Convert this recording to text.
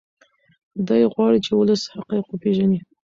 دی غواړي چې ولس حقایق وپیژني.